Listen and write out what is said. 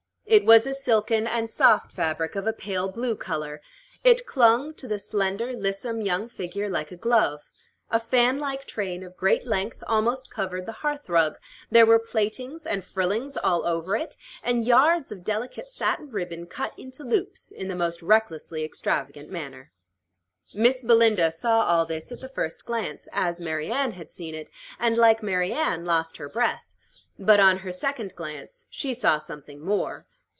It was a silken and soft fabric of a pale blue color; it clung to the slender, lissome young figure like a glove; a fan like train of great length almost covered the hearth rug; there were plaitings and frillings all over it, and yards of delicate satin ribbon cut into loops in the most recklessly extravagant manner. Miss Belinda saw all this at the first glance, as Mary Anne had seen it, and, like Mary Anne, lost her breath; but, on her second glance, she saw something more.